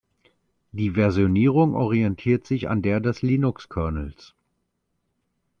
Die Versionierung orientiert sich an der des Linux-Kernels.